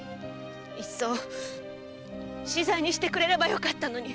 いっそ死罪にしてくれればよかったのに！